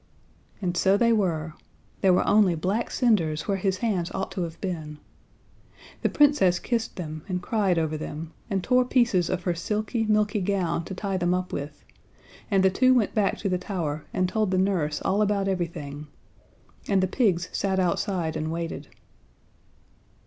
And so they were: There were only black cinders where his hands ought to have been. The Princess kissed them, and cried over them, and tore pieces of her silky milky gown to tie them up with, and the two went back to the tower and told the nurse all about everything. And the pigs sat outside and waited.